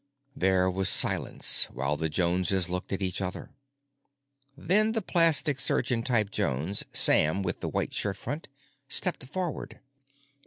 There was silence while the Joneses looked at each other. Then the plastic surgeon type Jones, Sam with the white shirt front, stepped forward.